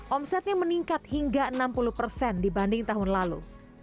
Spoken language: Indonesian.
omsetnya meningkat hingga enam puluh persen dibanding tahun lalu